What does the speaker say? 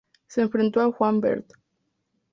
Se enfrentó a Juan Bert.